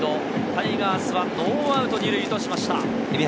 タイガースはノーアウト２塁としました。